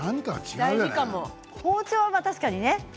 包丁は確かにね。